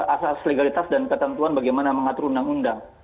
asas legalitas dan ketentuan bagaimana mengatur undang undang